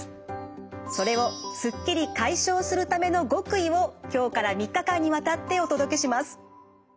それをすっきり解消するための極意を今日から３日間にわたってお届けします。